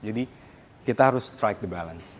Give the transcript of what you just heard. jadi kita harus strike the balance